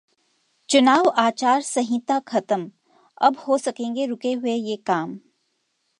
चुनाव आचार संहिता खत्म, अब हो सकेंगे रुके हुए ये काम